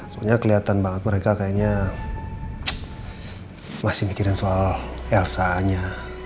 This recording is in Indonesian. soalnya kelihatan banget mereka kayaknya masih mikirin soal elsa nya